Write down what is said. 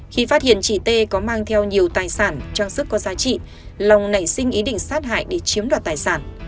khi phát hiện chị t có mang theo nhiều tài sản trang sức có giá trị long nảy sinh ý định sát hại để chiếm đoạt tài sản